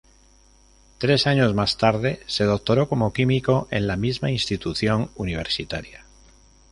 Tres años más tarde se doctoró como químico en la misma institución universitaria.